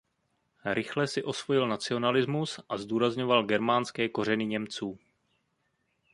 Rychle si osvojil nacionalismus a zdůrazňoval germánské kořeny Němců.